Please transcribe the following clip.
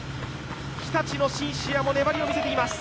日立のシンシアも粘りを見せています。